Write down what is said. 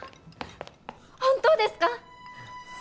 本当ですか？